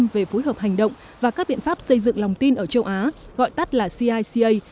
về phối hợp hành động và các biện pháp xây dựng lòng tin ở châu á gọi tắt là cica